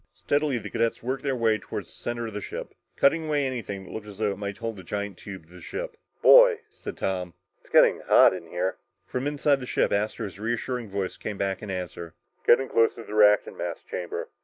Steadily, the cadets worked their way up toward the center of the ship, cutting anything that looked as though it might hold the giant tube to the ship. "Boy," said Tom, "it's getting hot in here!" From inside the ship, Astro's reassuring voice came back in answer. "You're getting close to the reactant mass chamber.